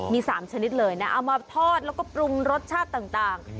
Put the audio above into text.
มี๓ชนิดเลยนะเอามาทอดแล้วก็ปรุงรสชาติต่าง